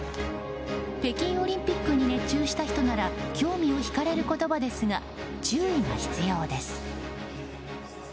北京オリンピックに熱中した人なら興味をひかれる言葉ですが注意が必要です。